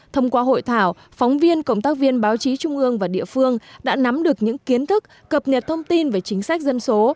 thông qua hội thảo phóng viên công tác viên báo chí trung ương và địa phương đã nắm được những kiến thức cập nhật thông tin về chính sách dân số